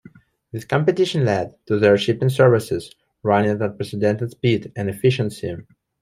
This competition led to their shipping services running at unprecedented speed and efficiency.